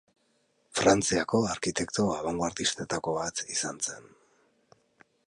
Frantziako arkitekto abangoardistetako bat izan zen.